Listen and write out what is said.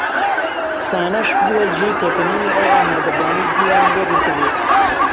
قسانەش بووە جێی پێکەنینی ئەو ئامادەبووانەی گوێیان لێ گرتبوو